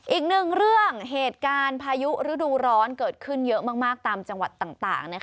อีกหนึ่งเรื่องเหตุการณ์พายุฤดูร้อนเกิดขึ้นเยอะมากตามจังหวัดต่าง